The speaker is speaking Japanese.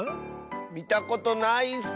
みたことないッス。